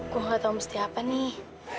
gue nggak tahu mesti apa nih